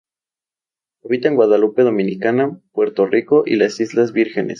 Habita en Guadalupe, Dominica, Puerto Rico y las Islas Vírgenes.